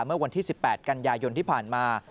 เมื่อวันที่๑๘กันยายนที่ผ่านมา